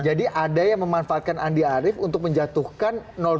jadi ada yang memanfaatkan andi arief untuk menjatuhkan dua